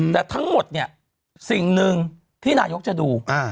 แต่ทั้งหมดเนี่ยสิ่งหนึ่งที่นายกจะดู